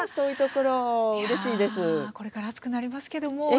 これから暑くなりますけども横山さん